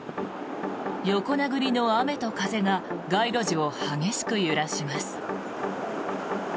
横殴りの雨と風が街路樹を激しく揺らします。